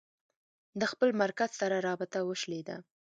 د خپل مرکز سره رابطه وشلېده.